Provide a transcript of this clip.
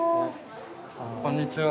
こんにちは。